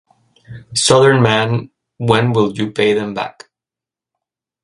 Southern Man, when will you pay them back?